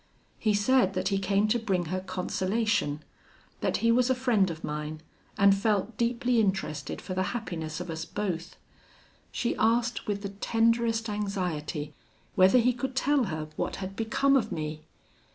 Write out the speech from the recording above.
He said that he came to bring her consolation; that he was a friend of mine, and felt deeply interested for the happiness of us both. She asked with the tenderest anxiety, whether he could tell her what had become of me.